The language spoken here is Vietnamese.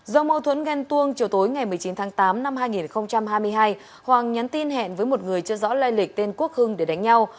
do mâu thuẫn ghen tuông chiều tối ngày một mươi chín tháng tám năm hai nghìn hai mươi hai hoàng nhắn tin hẹn với một người chưa rõ lây lịch tên quốc hưng để đánh nhau